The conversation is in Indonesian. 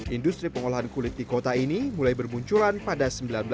industri pengolahan kulit di kota ini mulai bermunculan pada seribu sembilan ratus sembilan puluh